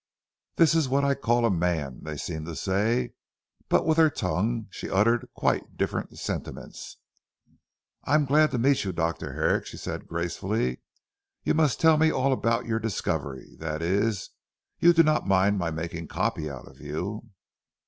"This is what I call a man," they seemed to say, but with her tongue she uttered quite different sentiments. "I am glad to meet you Dr. Herrick," she said gracefully, "you must tell me all about your discovery, that is, you do not mind my making copy out of you."